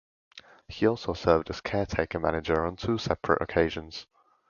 He also served as caretaker manager on two separate occasions.